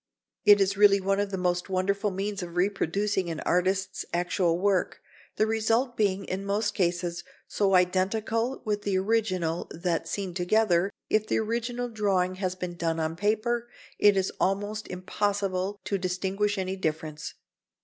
It is really one of the most wonderful means of reproducing an artist's actual work, the result being, in most cases, so identical with the original that, seen together, if the original drawing has been done on paper, it is almost impossible to distinguish any difference.